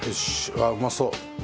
ああ、うまそう。